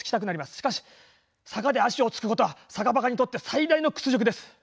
しかし坂で足を着くことは坂バカにとって最大の屈辱です。